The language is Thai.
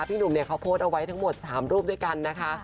พี่หนุ่มเนี่ยเขาโพสต์เอาไว้ทั้งหมด๓รูปด้วยกันนะคะ